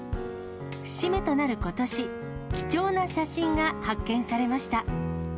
節目となることし、貴重な写真が発見されました。